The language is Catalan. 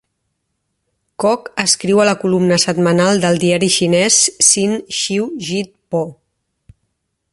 Kok escriu a la columna setmanal del diari xinès Sin Chew Jit Poh.